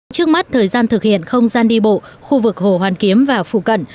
trước mắt thời gian thực hiện không gian đi bộ khu vực hồ hoàn kiếm và phụ cận